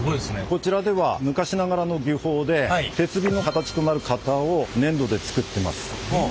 こちらでは昔ながらの技法で鉄瓶の形となる型を粘土で作ってます。